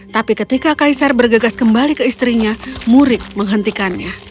tapi ketika kaisar bergegas kembali ke istrinya murik menghentikannya